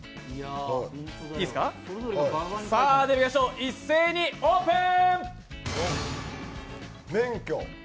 では、一斉にオープン！